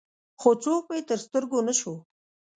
خو څوک مې تر سترګو نه شو.